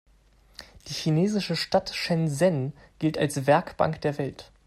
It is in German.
Die chinesische Stadt Shenzhen gilt als „Werkbank der Welt“.